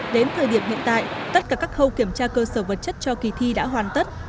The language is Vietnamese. đến thời điểm hiện tại tất cả các khâu kiểm tra cơ sở vật chất cho kỳ thi đã hoàn tất